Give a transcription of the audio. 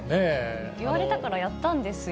言われたからやったんですよ。